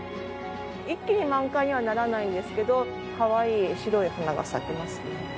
一気に満開にはならないんですけどかわいい白い花が咲きますね。